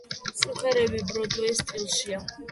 სიმღერები ბროდვეის სტილშია.